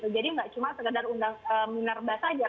jadi enggak cuma sekadar undang undang minar bahasa aja